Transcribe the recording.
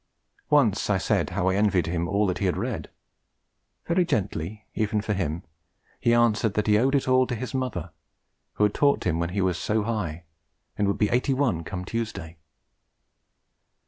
Once I said how I envied him all that he had read; very gently even for him he answered that he owed it all to his mother, who had taught him when he was so high, and would be eighty one come Tuesday.